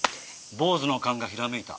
坊主の勘がひらめいた。